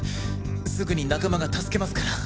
すぐに仲間が助けますから。